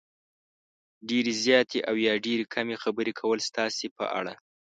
ډېرې زیاتې او یا ډېرې کمې خبرې کول ستاسې په اړه